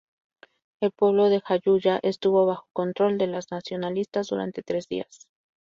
El pueblo de Jayuya estuvo bajo control de los nacionalistas durante tres días.